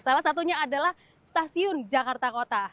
salah satunya adalah stasiun jakarta kota